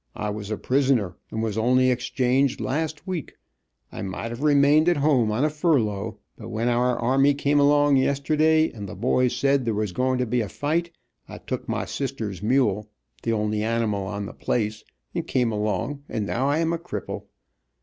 I was a prisoner and was only exchanged last week. I might have remained at home on a furlough, but when our army came along yesterday, and the boys said there was going to be a fight, I took my sisters mule, the only animal on the place, and came along, and now I am a cripple."